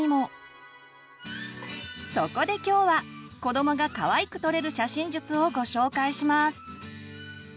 そこで今日は子どもがかわいく撮れる写真術をご紹介します！